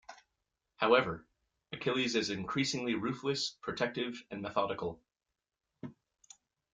However, Achilles is increasingly ruthless, protective, and methodical.